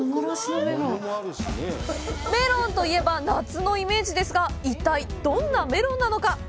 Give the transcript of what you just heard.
メロンといえば夏のイメージですが、一体、どんなメロンなのか？